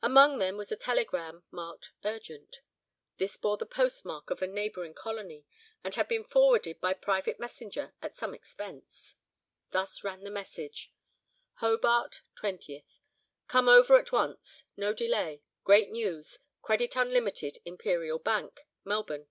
Among them was a telegram marked Urgent. This bore the postmark of a neighbouring colony and had been forwarded by private messenger, at some expense. Thus ran the magic message:—"Hobart, 20th. Come over at once. No delay. Great news. Credit unlimited, Imperial Bank, Melbourne."